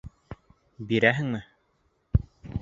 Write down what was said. Бирәһеңме?